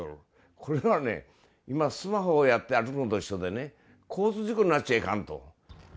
これはね、今スマホをやって、歩くのと一緒でね、交通事故になっちゃいかんと。